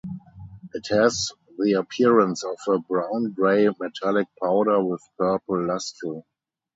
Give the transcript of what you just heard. It has the appearance of a brown-gray metallic powder with purple lustre.